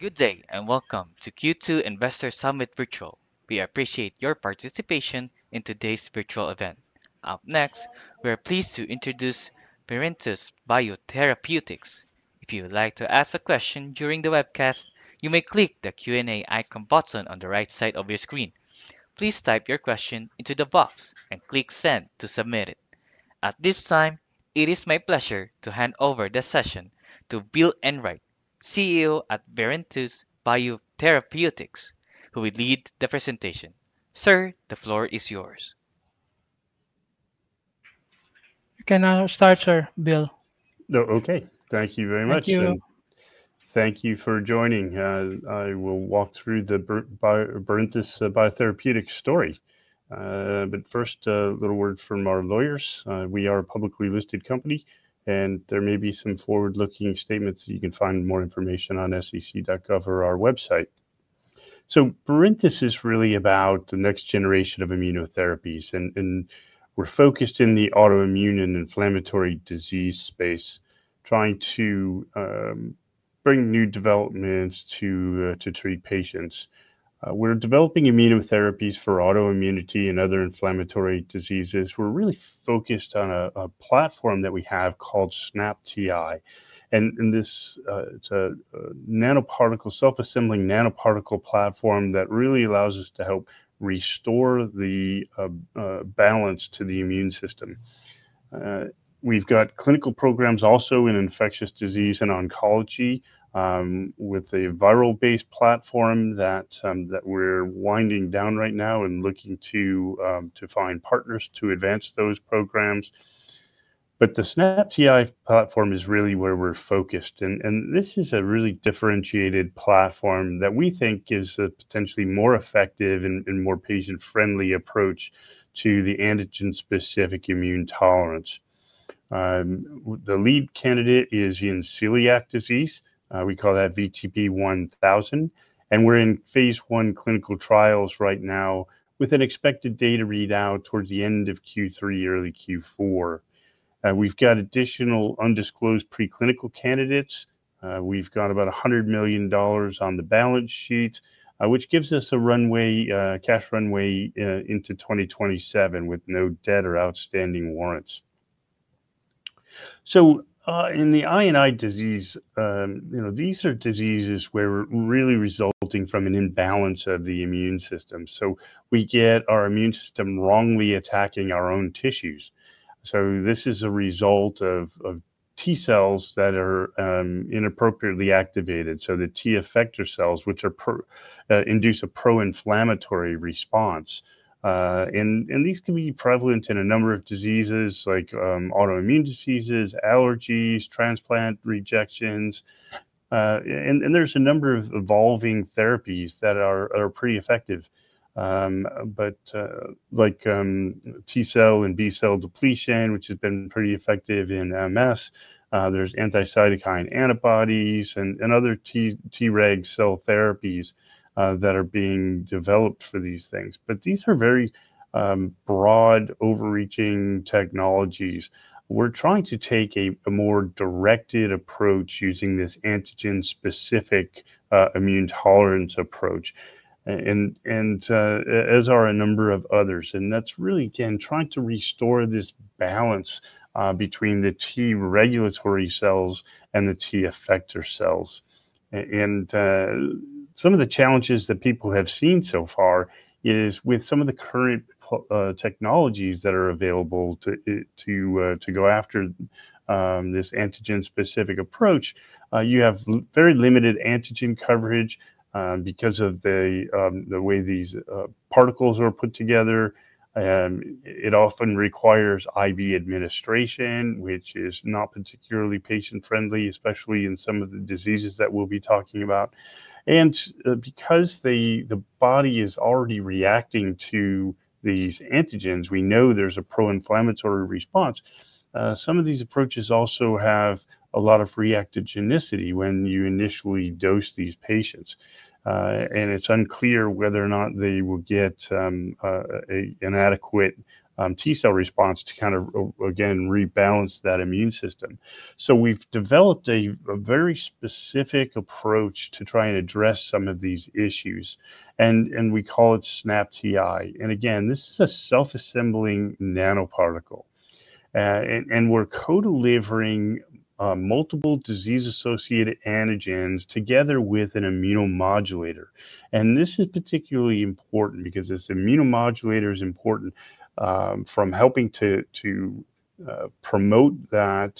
Good day and welcome to Q2 Investor Summit Virtual. We appreciate your participation in today's virtual event. Up next, we're pleased to introduce Barinthus Biotherapeutics. If you would like to ask a question during the webcast, you may click the Q&A icon button on the right side of your screen. Please type your question into the box and click Send to submit it. At this time, it is my pleasure to hand over the session to Bill Enright, CEO at Barinthus Biotherapeutics, who will lead the presentation. Sir, the floor is yours. You can now start, Sir Bill. Oh, okay. Thank you very much, sir. Thank you. Thank you for joining. I will walk through the Barinthus Biotherapeutics, story. First, a little word from our lawyers. We are a publicly listed company, and there may be some forward-looking statements. You can find more information on sec.gov, or our website. Barinthus, is really about the next generation of immunotherapies, and we're focused in the autoimmune and inflammatory disease, space, trying to bring new developments to treat patients. We're developing immunotherapies, for autoimmunity and other inflammatory diseases. We're really focused on a platform that we have called SNAP-TI. This is a self-assembling nanoparticle platform that really allows us to help restore the balance to the immune system. We've got clinical programs also in infectious disease and oncology, with a viral-based platform that we're winding down right now and looking to find partners to advance those programs. The SNAP-TI, platform is really where we're focused. This is a really differentiated platform that we think is a potentially more effective and more patient-friendly approach to antigen-specific immune tolerance. The lead candidate is in celiac disease. We call that VTP-1000. We're in phase I clinical trials right now with an expected data readout towards the end of Q3, early Q4. We've got additional undisclosed preclinical candidates. We've got about $100 million, on the balance sheet, which gives us a cash runway into 2027, with no debt or outstanding warrants. In the I and I disease, these are diseases, where we're really resulting from an imbalance of the immune system. We get our immune system, wrongly attacking our own tissues. This is a result of T cells, that are inappropriately activated. The T effect, or cells induce a pro-inflammatory response. These can be prevalent in a number of diseases like autoimmune diseases, allergies, transplant rejections. There are a number of evolving therapies that are pretty effective. Like T cell, and B cell, depletion, which has been pretty effective in MS, there are anti-cytokine antibodies, and other Treg cell therapies, that are being developed for these things. These are very broad, overreaching technologies. We are trying to take a more directed approach using this antigen-specific immune tolerance approach, and as are a number of others. That is really again trying to restore this balance between the T regulatory cells, and the T effector cells. Some of the challenges that people have seen so far are with some of the current technologies that are available to go after this antigen-specific approach, you have very limited antigen coverage because of the way these particles are put together. It often requires IV administration, which is not particularly patient-friendly, especially in some of the diseases that we'll be talking about. Because the body is already reacting to these antigens, we know there's a pro-inflammatory response. Some of these approaches also have a lot of reactogenicity, when you initially dose these patients. It's unclear whether or not they will get an adequate T cell response, to kind of, again, rebalance that immune system. We've developed a very specific approach to try and address some of these issues. We call it SNAP-TI. Again, this is a self-assembling nanoparticle. We're co-delivering multiple disease-associated antigens, together with an immunomodulator. This is particularly important because this immunomodulator, is important from helping to promote that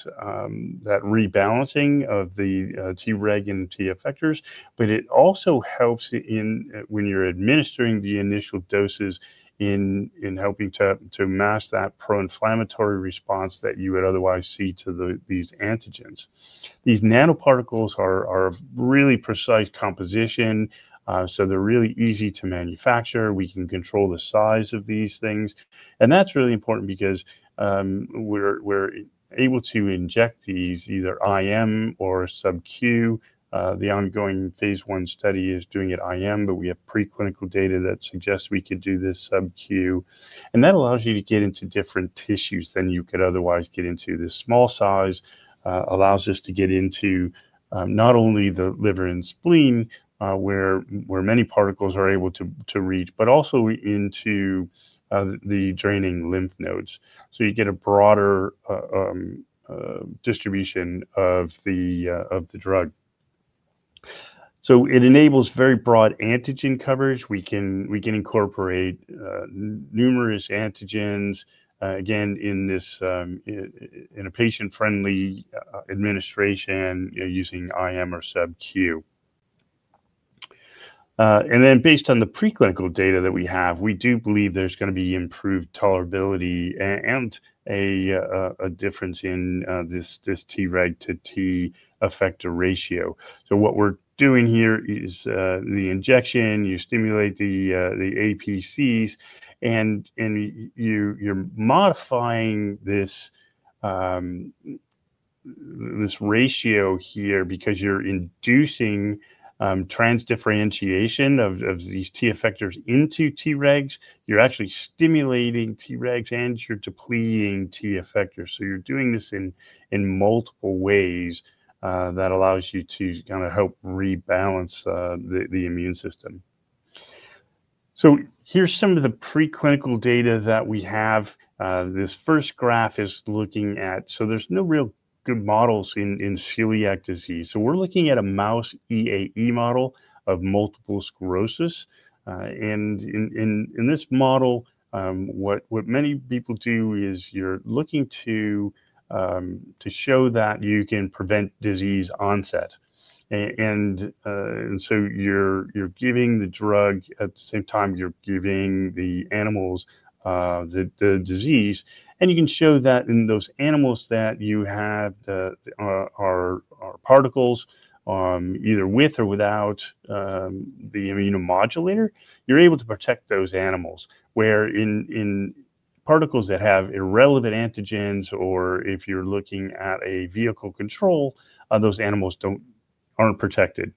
rebalancing of the Treg and T effectors. It also helps when you're administering the initial doses in helping to mask that pro-inflammatory response, that you would otherwise see to these antigens. These nanoparticles, are really precise composition, so they're really easy to manufacture. We can control the size of these things. That's really important because we're able to inject these either IM or sub Q. The ongoing phase one study is doing it IM, but we have preclinical data that suggests we could do this sub Q. That allows you to get into different tissues than you could otherwise get into. This small size allows us to get into not only the liver and spleen, where many particles are able to reach, but also into the draining lymph nodes. You get a broader distribution of the drug. It enables very broad antigen coverage. We can incorporate numerous antigens, again, in a patient-friendly administration using IM or sub Q. And then based on the preclinical data that we have, we do believe there's going to be improved tolerability and a difference in this Treg to T effector ratio. What we're doing here is the injection, you stimulate the APCs, and you're modifying this ratio here because you're inducing transdifferentiation of these T effectors, into Tregs. You're actually stimulating Tregs, and you're depleting T effectors. You're doing this in multiple ways that allows you to kind of help rebalance the immune system. Here's some of the preclinical data that we have. This first graph is looking at, so there's no real good models in celiac disease. We're looking at a mouse EAE model, of multiple sclerosis. In this model, what many people do is you're looking to show that you can prevent disease onset. You are giving the drug at the same time you are giving the animals the disease. You can show that in those animals that have our particles either with or without the immunomodulator, you are able to protect those animals, where in particles that have irrelevant antigens, or if you are looking at a vehicle control, those animals are not protected.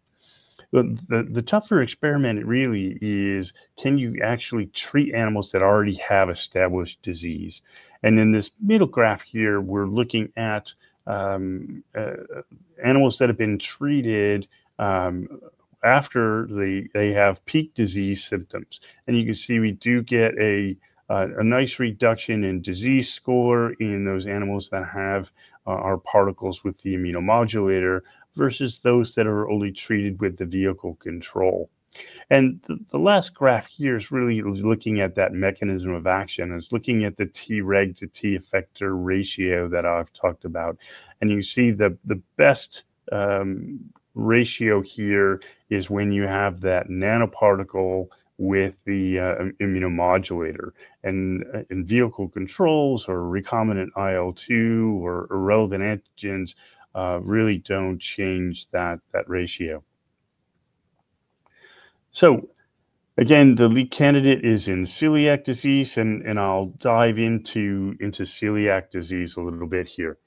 The tougher experiment really is, can you actually treat animals that already have established disease? In this middle graph here, we are looking at animals that have been treated after they have peak disease symptoms. You can see we do get a nice reduction in disease score, in those animals that have our particles with the immunomodulator, versus those that are only treated with the vehicle control. The last graph here, is really looking at that mechanism of action. It's looking at the Treg to T effector ratio, that I've talked about. You see the best ratio, here is when you have that nanoparticle, with the immunomodulator. Vehicle controls or recombinant IL-2, or irrelevant antigens, really do not change that ratio. Again, the lead candidate is in celiac disease, and I'll dive into celiac disease, a little bit here.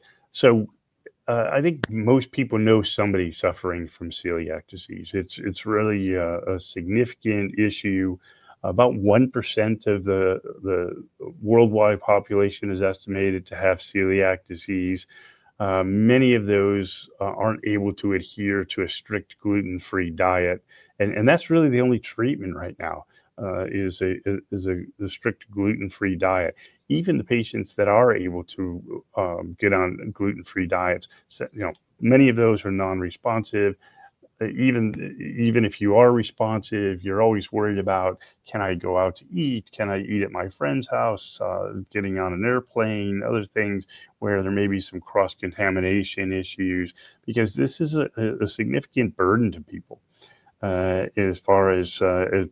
I think most people know somebody suffering from celiac disease. It's really a significant issue. About 1%, of the worldwide population is estimated to have celiac disease. Many of those are not able to adhere to a strict gluten-free diet. The only treatment right now is the strict gluten-free diet. Even the patients that are able to get on gluten-free diets, many of those are non-responsive. Even if you are responsive, you're always worried about, can I go out to eat? Can I eat at my friend's house? Getting on an airplane, other things where there may be some cross-contamination issues, because this is a significant burden to people as far as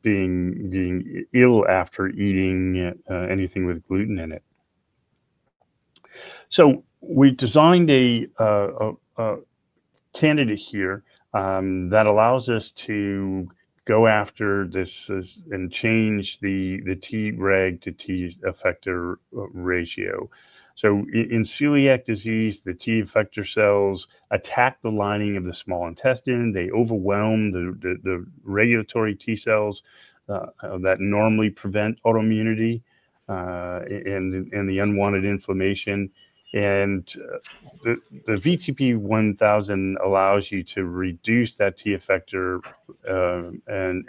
being ill after eating anything with gluten, in it. We designed a candidate here that allows us to go after this and change the Treg to T effector ratio. In celiac disease, the T effector cells, attack the lining of the small intestine. They overwhelm the regulatory T cells that normally prevent autoimmunity and the unwanted inflammation. The VTP-1000, allows you to reduce that T effector,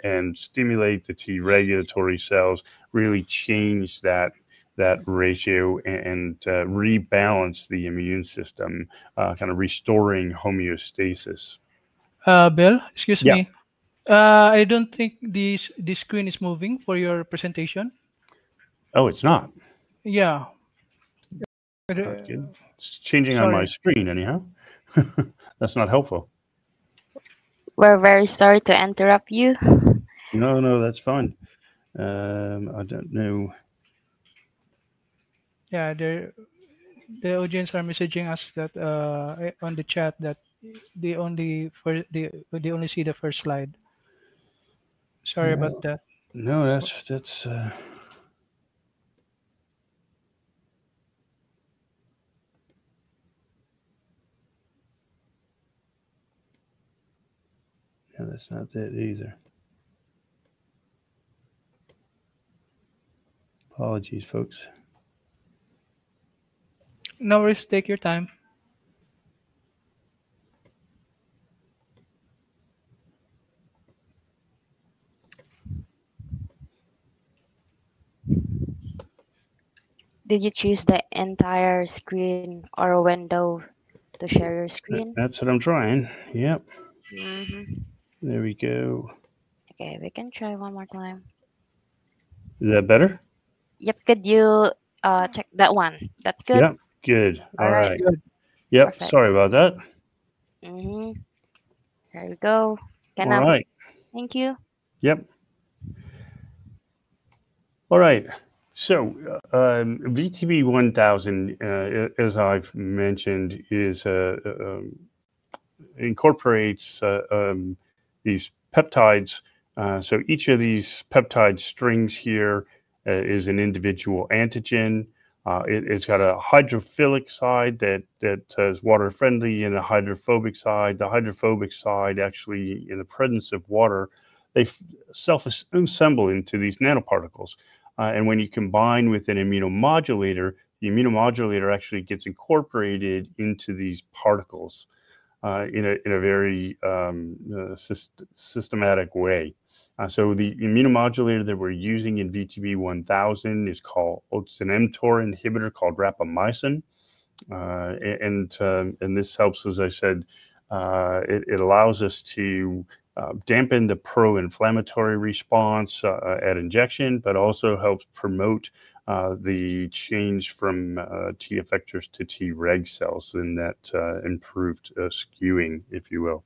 and stimulate the T regulatory cells, really change that ratio, and rebalance the immune system, kind of restoring homeostasis. Bill, excuse me. I don't think this screen is moving for your presentation. Oh, it's not. Yeah. It's changing on my screen anyhow. That's not helpful. We're very sorry to interrupt you. No, no, that's fine. I don't know. Yeah, the audience are messaging us on the chat that they only see the first slide. Sorry about that. No, that's. Yeah, that's not that either. Apologies, folks. No worries. Take your time. Did you choose the entire screen or a window to share your screen? That's what I'm trying. Yep, there we go. Okay, we can try one more time. Is that better? Yep. Could you check that one? That's good. Yep. Good. All right. Sorry about that. There we go. Thank you. Yep. All right. So VTP-1000, as I've mentioned, incorporates these peptides. So each of these peptide strings here is an individual antigen. It's got a hydrophilic side, that says water-friendly and a hydrophobic side. The hydrophobic side, actually, in the presence of water, they self-assemble into these nanoparticles. When you combine with an immunomodulator, the immunomodulator, actually gets incorporated into these particles in a very systematic way. The immunomodulator, that we're using in VTP-1000, is an mTOR inhibitor, called rapamycin. This helps, as I said, it allows us to dampen the pro-inflammatory response, at injection, but also helps promote the change from T effectors, to Treg cells, in that improved skewing, if you will.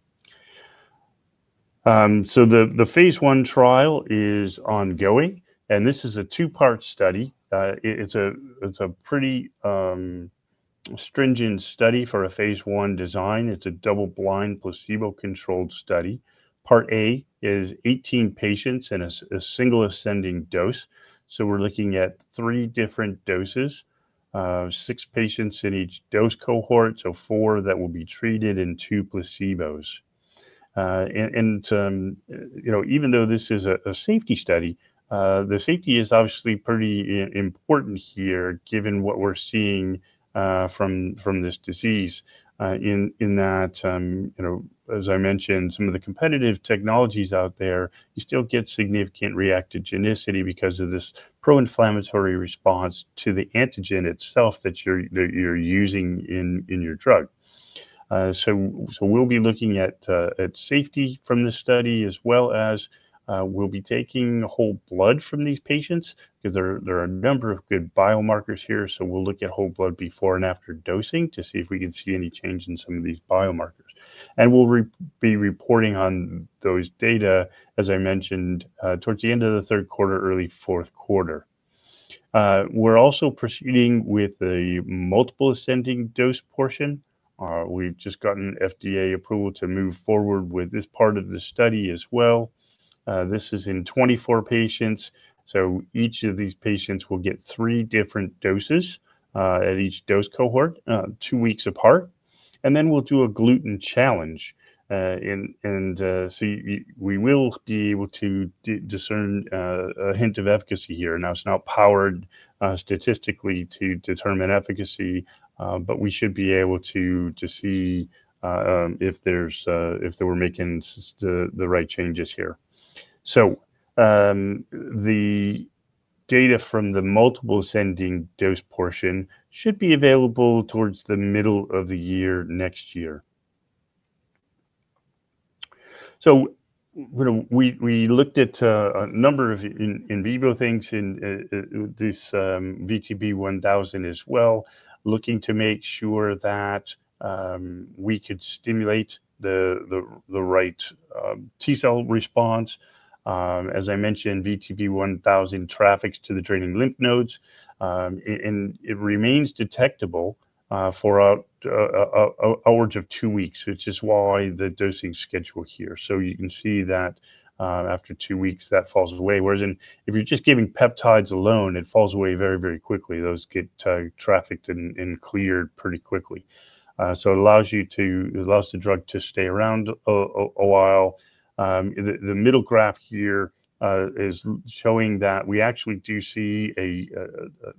The phase I, trial is ongoing. This is a two-part study. It's a pretty stringent study for a phase I, design. It's a double-blind placebo-controlled study. Part A, is 18 patients, and a single ascending dose. We're looking at three different doses, six patients, in each dose cohort, four, that will be treated and two placebos. Even though this is a safety study, the safety is obviously pretty important here given what we're seeing from this disease in that, as I mentioned, some of the competitive technologies, out there, you still get significant reactogenicity, because of this pro-inflammatory response, to the antigen itself that you're using in your drug. We'll be looking at safety from this study as well as taking whole blood from these patients because there are a number of good biomarkers here. We'll look at whole blood before and after dosing to see if we can see any change in some of these biomarkers. We will be reporting on those data, as I mentioned, towards the end of the third quarter, early fourth quarter. We are also proceeding with the multiple ascending dose portion. We have just gotten FDA approval, to move forward with this part of the study as well. This is in 24 patients. Each of these patients will get three, different doses at each dose cohort, two weeks apart. We will do a gluten challenge. We will be able to discern a hint of efficacy here. It is not powered statistically to determine efficacy, but we should be able to see if they were making the right changes here. The data from the multiple ascending dose portion should be available towards the middle of the year next year. We looked at a number of in vivo things in this VTP-1000, as well, looking to make sure that we could stimulate the right T cell response. As I mentioned, VTP-1000, traffics to the draining lymph nodes, and it remains detectable for upwards of two weeks, which is why the dosing schedule here. You can see that after two weeks, that falls away. Whereas if you're just giving peptides alone, it falls away very, very quickly. Those get trafficked and cleared pretty quickly. It allows the drug to stay around a while. The middle graph here is showing that we actually do see a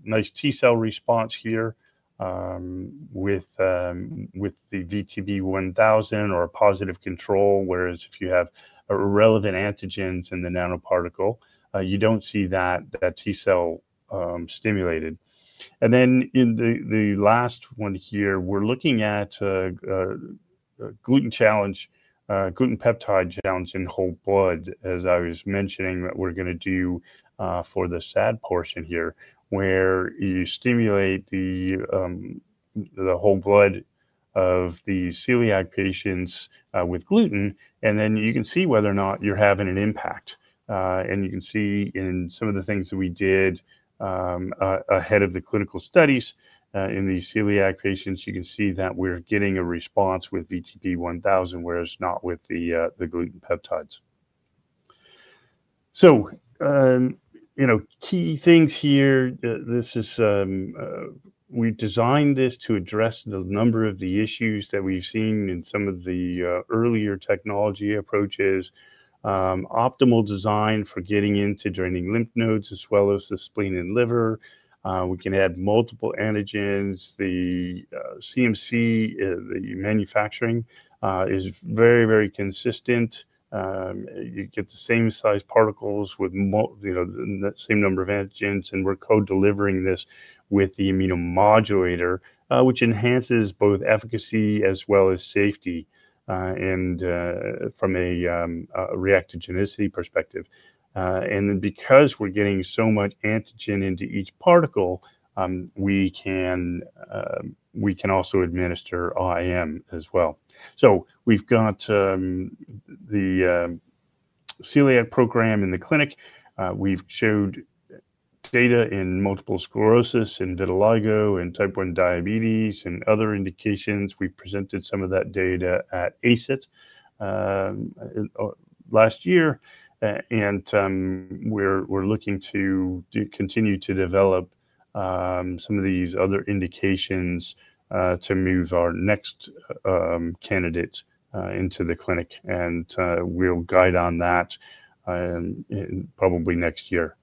nice T cell, response here with the VTP-1000, or a positive control, whereas if you have irrelevant antigens in the nanoparticle, you don't see that T cell, stimulated. In the last one here, we're looking at a gluten challenge, gluten peptide challenge in whole blood, as I was mentioning that we're going to do for the SAD, portion here, where you stimulate the whole blood of the celiac patients, with gluten, and then you can see whether or not you're having an impact. You can see in some of the things that we did ahead of the clinical studies in the celiac patients, you can see that we're getting a response with VTP-1000, whereas not with the gluten peptides. Key things here, we designed this to address a number of the issues that we've seen in some of the earlier technology approaches, optimal design for getting into draining lymph nodes, as well as the spleen and liver. We can add multiple antigens. The CMC, the manufacturing, is very, very consistent. You get the same size particles with the same number of agents, and we're co-delivering this with the immunomodulator, which enhances both efficacy as well as safety from a reactogenicity perspective. Because we're getting so much antigen into each particle, we can also administer IM, as well. We have the celiac program, in the clinic. We showed data in multiple sclerosis, and vitiligo and type 1 diabetes, and other indications. We presented some of that data at ACIT, last year. We are looking to continue to develop some of these other indications to move our next candidate into the clinic. We will guide on that probably next year.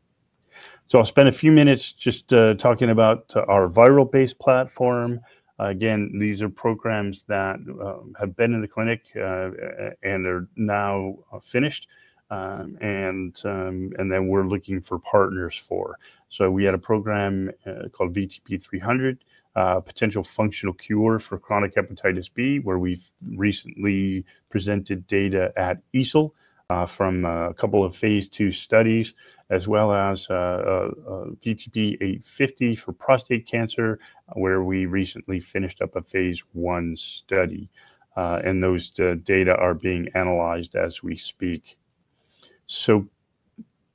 I will spend a few minutes just talking about our viral-based platform. Again, these are programs that have been in the clinic and are now finished. We are looking for partners for these. We had a program called VTP-300, potential functional cure for chronic hepatitis B, where we've recently presented data at ESOL, from a couple of phase II, studies, as well as VTP-850, for prostate cancer, where we recently finished up a phase I, study. Those data are being analyzed as we speak.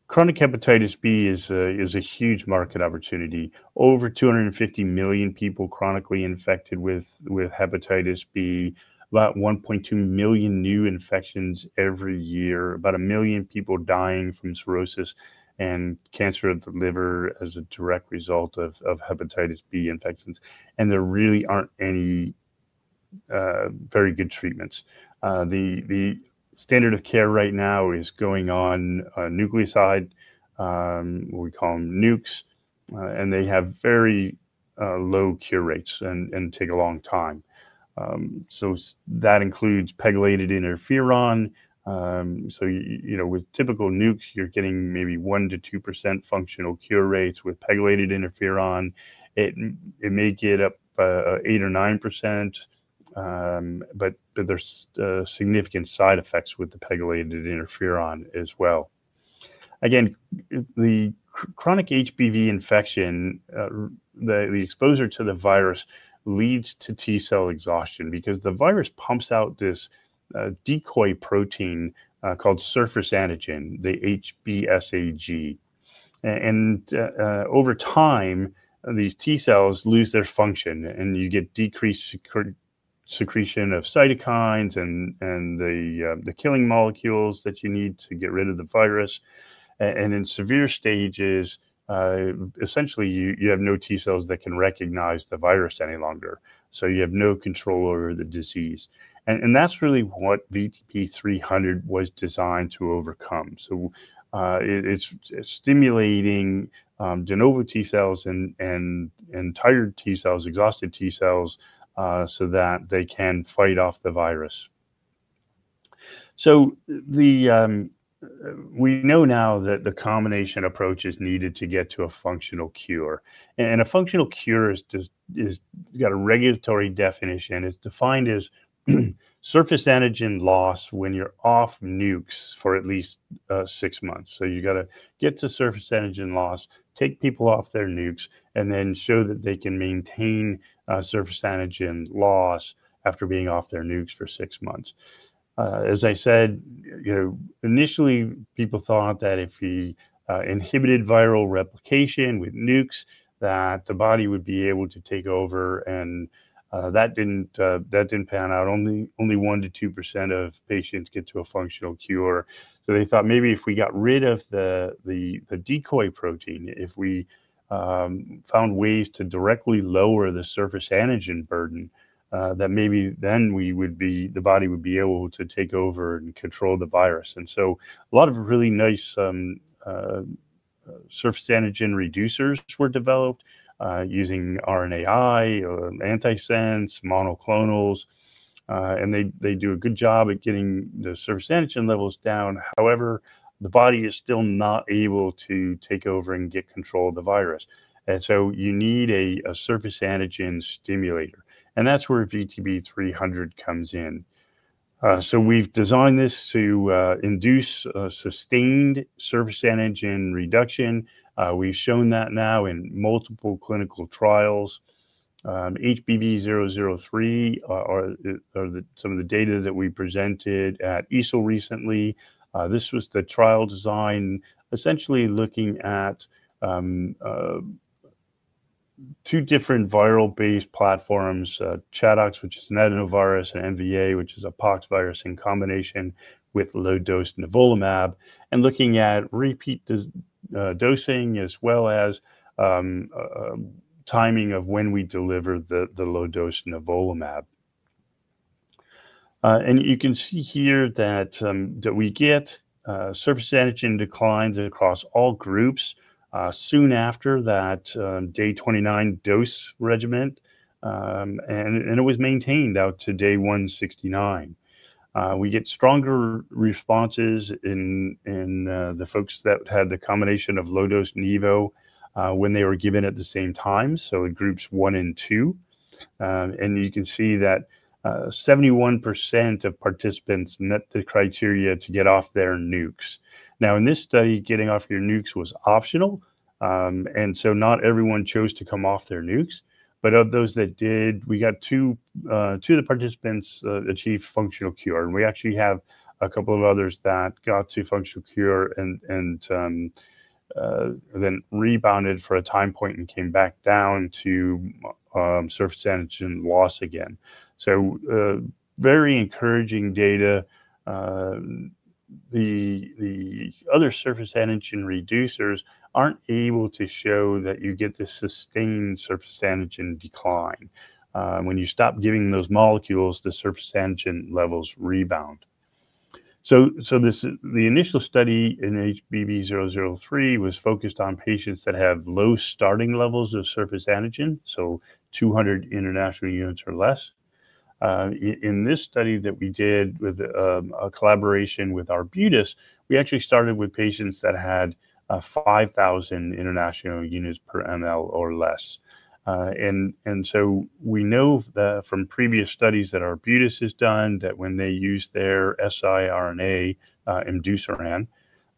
Chronic hepatitis B, is a huge market opportunity. Over 250 million, people chronically infected with hepatitis B, about 1.2 million, new infections every year, about a million, people dying from cirrhosis, and cancer of the liver, as a direct result of hepatitis B infections. There really aren't any very good treatments. The standard of care right now is going on nucleoside, what we call NUCs, and they have very low cure rates and take a long time. That includes pegylated interferon. With typical NUCs, you're getting maybe 1-2%, functional cure rates. With pegylated interferon, it may get up 8 or 9%, but there's significant side effects with the pegylated interferon, as well. Again, the chronic HBV infection, the exposure to the virus leads to T cell, exhaustion because the virus pumps, out this decoy protein called surface antigen, the HBsAg. Over time, these T cells, lose their function, and you get decreased secretion of cytokines, and the killing molecules that you need to get rid of the virus. In severe stages, essentially, you have no T cells, that can recognize the virus any longer. You have no control over the disease. That's really what VTP-300, was designed to overcome. It's stimulating de novo T cells, and tired T cells, exhausted T cells, so that they can fight off the virus. We know now that the combination approach is needed to get to a functional cure. A functional cure has got a regulatory definition. It is defined as surface antigen loss when you are off NUCs, for at least six months. You have to get to surface antigen loss, take people off their NUCs, and then show that they can maintain surface antigen loss after being off their NUCs, for six months. As I said, initially, people thought that if we inhibited viral replication with NUCs, the body would be able to take over. That did not pan out. Only 1-2%, of patients get to a functional cure. They thought maybe if we got rid of the decoy protein, if we found ways to directly lower the surface antigen burden, maybe then the body would be able to take over and control the virus. A lot of really nice surface antigen reducers were developed using RNAi, antisense, monoclonals. They do a good job at getting the surface antigen levels down. However, the body is still not able to take over and get control of the virus. You need a surface antigen stimulator. That is where VTP-300, comes in. We have designed this to induce sustained surface antigen reduction. We have shown that now in multiple clinical trials. HBV003, are some of the data that we presented at ESOL, recently. This was the trial design, essentially looking at two different viral-based platforms, ChAdOx, which is an adenovirus, and MVA, which is a pox virus in combination with low-dose nivolumab, and looking at repeat dosing as well as timing of when we deliver the low-dose nivolumab. You can see here that we get surface antigen declines across all groups soon after that day 29, dose regimen. It was maintained out to day 169. We get stronger responses in the folks that had the combination of low-dose and EVO, when they were given at the same time, in groups one and two. You can see that 71%, of participants met the criteria to get off their NUCs. In this study, getting off your NUCs, was optional, so not everyone chose to come off their NUCs. Of those that did, we got two of the participants achieve functional cure. We actually have a couple of others that got to functional cure and then rebounded for a time point and came back down to surface antigen loss again. Very encouraging data. The other surface antigen reducers are not able to show that you get this sustained surface antigen decline. When you stop giving those molecules, the surface antigen levels rebound. The initial study in HBV003, was focused on patients that have low starting levels of surface antigen, so 200, international units or less. In this study that we did with a collaboration with Arbutus, we actually started with patients that had 5,000, international units per mL, or less. We know from previous studies that Arbutus, has done that when they use their siRNA, Imdusiran,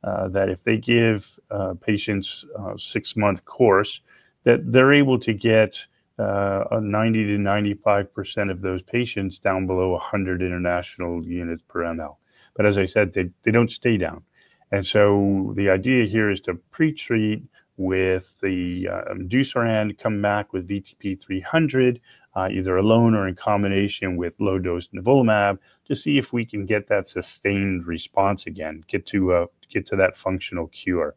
if they give patients a six-month course, they're able to get 90-95%, of those patients down below 100, international units per mL. As I said, they don't stay down. The idea here is to pre-treat with the Imdusiran, come back with VTP-300, either alone or in combination with low-dose Nivolumab, to see if we can get that sustained response again, get to that functional cure.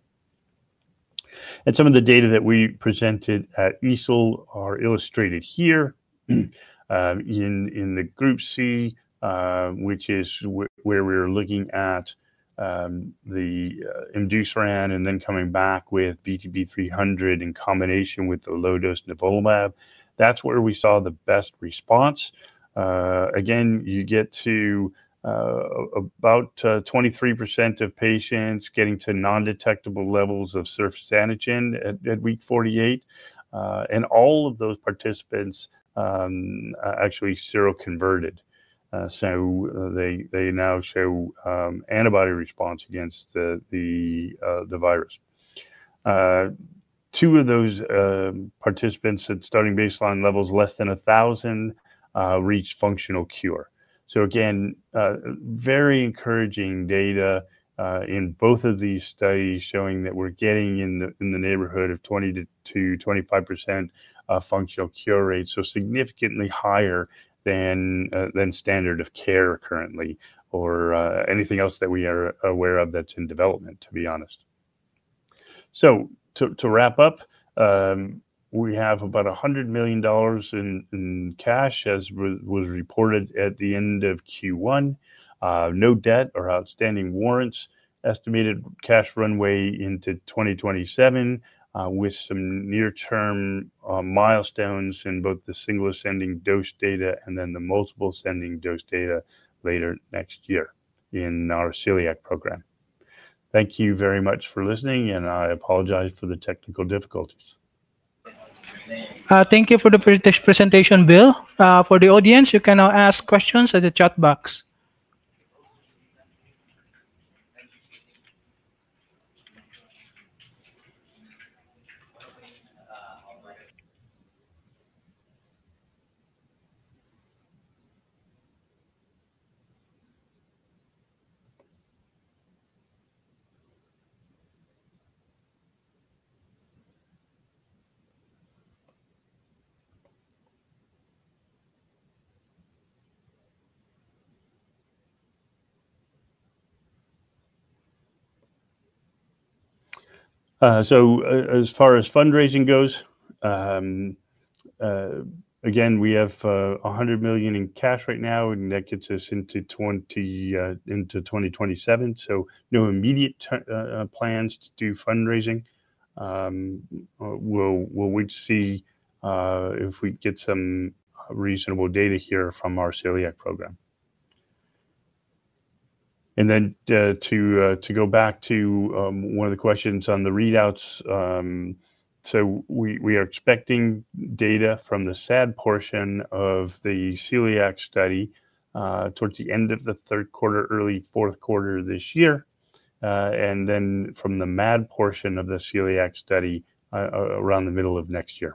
Some of the data that we presented at ESOL, are illustrated here. In group C, which is where we're looking at the imdusiran and then coming back with VTP-300, in combination with the low-dose nivolumab, that's where we saw the best response. You get to about 23%, of patients getting to non-detectable levels of surface antigen, at week 48. All of those participants actually seroconverted. They now show antibody response against the virus. Two of those participants at starting baseline levels less than 1,000, reached functional cure. Very encouraging data in both of these studies showing that we're getting in the neighborhood of 20-25%, functional cure rate, significantly higher than standard of care currently or anything else that we are aware of that's in development, to be honest. To wrap up, we have about $100 million, in cash, as was reported at the end of Q1. No debt or outstanding warrants. Estimated cash runway into 2027, with some near-term milestones in both the single ascending dose data and then the multiple ascending dose data later next year in our celiac program. Thank you very much for listening, and I apologize for the technical difficulties. Thank you for the presentation, Bill. For the audience, you can now ask questions at the chat box. As far as fundraising goes, again, we have $100 million, in cash right now, and that gets us into 2027. No immediate plans to do fundraising. We'll wait to see if we get some reasonable data here from our celiac program. To go back to one of the questions on the readouts, we are expecting data from the SAD, portion of the celiac study, towards the end of the third quarter, early fourth quarter of this year, and then from the MAD, portion of the celiac study, around the middle of next year.